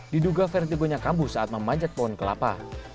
diduga vertigonya kambuh saat memanjat pohon kelapa